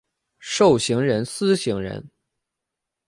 授行人司行人。